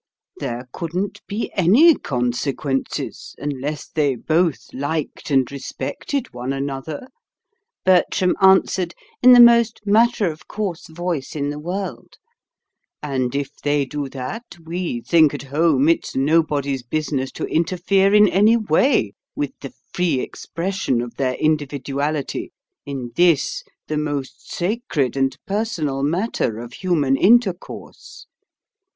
"There couldn't be ANY consequences, unless they both liked and respected one another," Bertram answered in the most matter of course voice in the world; "and if they do that, we think at home it's nobody's business to interfere in any way with the free expression of their individuality, in this the most sacred and personal matter of human intercourse.